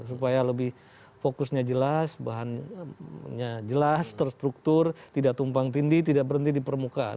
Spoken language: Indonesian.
supaya lebih fokusnya jelas bahannya jelas terstruktur tidak tumpang tindih tidak berhenti di permukaan